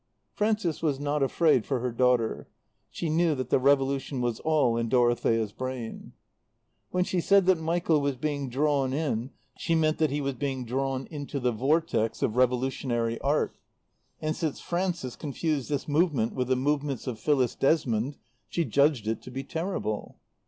Frances was not afraid for her daughter. She knew that the revolution was all in Dorothea's brain. When she said that Michael was being drawn in she meant that he was being drawn into the vortex of revolutionary Art. And since Frances confused this movement with the movements of Phyllis Desmond she judged it to be terrible.